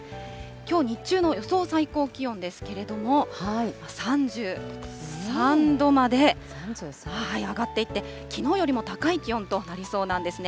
きょう日中の予想最高気温ですけれども、３３度まで上がっていって、きのうよりも高い気温となりそうなんですね。